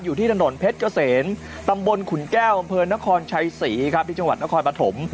อยู่ที่ถนนเพชรเกษมตำบลขุนแก้วอำเภอนครชัยศรีครับที่จังหวัดนครปฐม